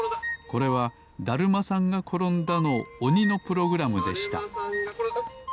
これは「だるまさんがころんだ」のおにのプログラムでしただるまさんがころんだ！